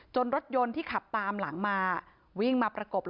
รถยนต์ที่ขับตามหลังมาวิ่งมาประกบ